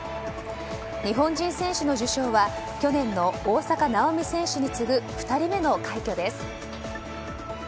日本人選手の受賞は、去年の大坂なおみ選手に次ぐ２人目の快挙です。